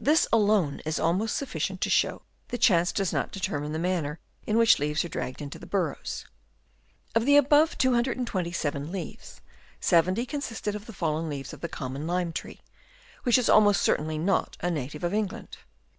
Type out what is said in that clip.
This alone is almost suffi cient to show that chance does not determine the manner in which leaves are dragged into the burrows. Of the above 227 leaves, 70 consisted of the fallen leaves of the common lime tree, which is almost certainly not a native of England.